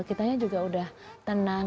kitanya juga udah tenang